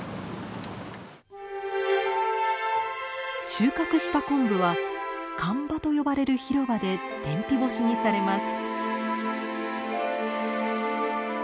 収穫したコンブは干場と呼ばれる広場で天日干しにされます。